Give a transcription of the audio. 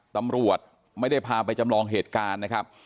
ตำรวจไม่ได้พาไปจำลองเหตุการณ์นะครับ